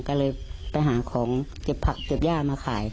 ก็เลยไปหาของเก็บผักเก็บย่ามาขาย